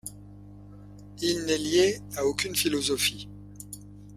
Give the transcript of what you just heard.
Il n’est lié à aucune philosophie.